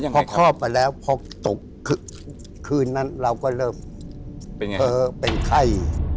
พอคลอบไปแล้วพอตกคืนนั้นเราก็เริ่มเป็นไข้